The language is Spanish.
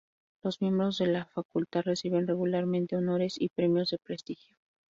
Los miembros de la facultad reciben regularmente honores y premios de prestigio.